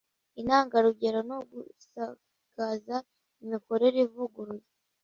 intangarugero no gusakaza imikorere ivuguruye